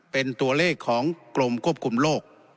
เป็นตัวเลขของกลมกุมประเทศ